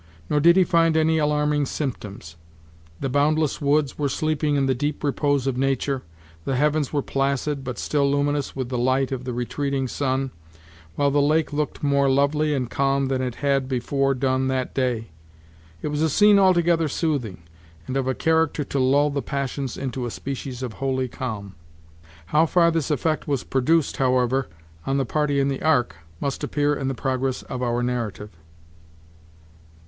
Nor did he find any alarming symptoms. The boundless woods were sleeping in the deep repose of nature, the heavens were placid, but still luminous with the light of the retreating sun, while the lake looked more lovely and calm than it had before done that day. It was a scene altogether soothing, and of a character to lull the passions into a species of holy calm. How far this effect was produced, however, on the party in the ark, must appear in the progress of our narrative.